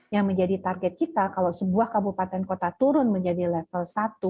yang menjadi target kita kalau sebuah kabupaten kota turun menjadi level satu